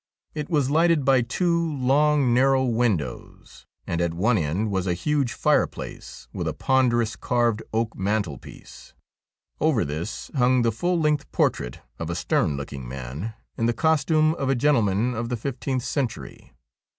It was lighted by two long, narrow windows, and at one end was a huge fireplace with a ponderous carved oak mantelpiece. Over this hung the full length portrait of a stern looking man in the costume of a gentleman of the fifteenth century.